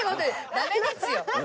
ダメですよ。